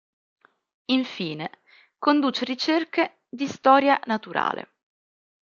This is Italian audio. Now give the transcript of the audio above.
Infine, conduce ricerche di storia naturale.